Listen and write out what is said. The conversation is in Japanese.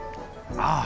ああ！